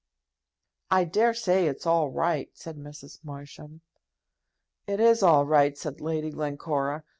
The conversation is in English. "I dare say it's all right," said Mrs. Marsham. "It is all right," said Lady Glencora.